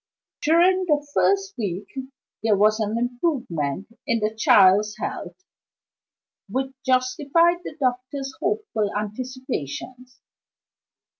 During the first week there was an improvement in the child's health, which justified the doctor's hopeful anticipations.